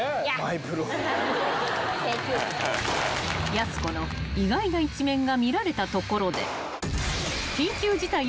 ［やす子の意外な一面が見られたところで］